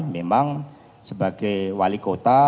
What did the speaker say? memang sebagai wali kota